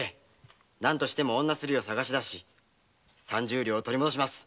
何としても女スリを捜し出し三十両取り戻します。